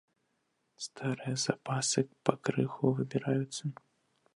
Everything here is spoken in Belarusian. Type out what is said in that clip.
Старыя запасы пакрыху выбіраюцца.